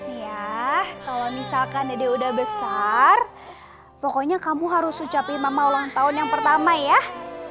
iya kalau misalkan dia udah besar pokoknya kamu harus ucapin mama ulang tahun yang pertama ya